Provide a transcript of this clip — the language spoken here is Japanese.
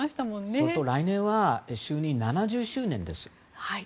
それと来年は女王の就任７０周年です。